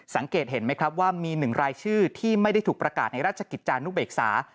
สังเกตเห็นไหมครับว่ามี๑รายชื่อที่ไม่ได้ถูกประกาศในราชกิจจานุเบกษา